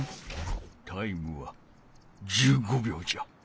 タイムは１５びょうじゃ。